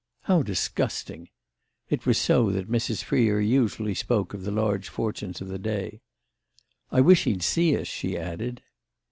"How disgusting!" It was so that Mrs. Freer usually spoke of the large fortunes of the day. "I wish he'd see us," she added.